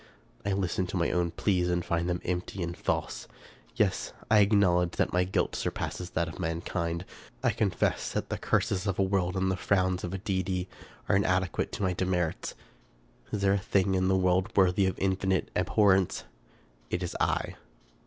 I listen to my own pleas, and find them empty and false : yes, I acknowledge that my guilt surpasses that of mankind ; I confess that the curses of a world and the frowns of a Deity are inadequate to my 293 American Mystery Stories demerits. Is there a thing in the world worthy of infinite abhorrence? It is I.